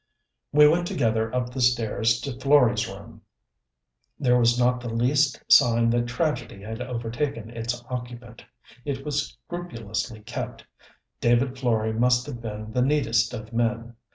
We went together up the stairs to Florey's room. There was not the least sign that tragedy had overtaken its occupant. It was scrupulously kept: David Florey must have been the neatest of men.